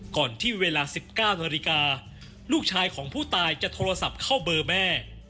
ก่อนที่เวลา๑๙นาฬิกาลูกชายของผู้ตายจะโทรศัพท์เข้าเบอร์แม่